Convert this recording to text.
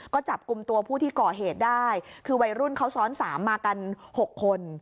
ก็จับกลุ่มตัวผู้ที่ก่อเหตุได้คือวัยรุ่นเขาซ้อน๓มากัน๖คน